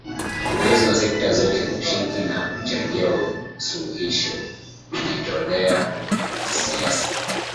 uwezo wa sekta zote kushiriki na kuchangia suluhisho kujitolea kisiasa